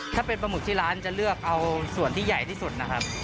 ถ้าเป็นปลาหมึกที่ร้านจะเลือกเอาส่วนที่ใหญ่ที่สุดนะครับ